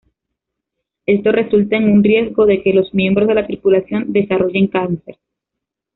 Esto resulta en un riesgo de que los miembros de la tripulación desarrollen cáncer.